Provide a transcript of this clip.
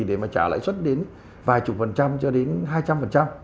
để mà trả lãi suất đến vài chục phần trăm cho đến hai trăm phần trăm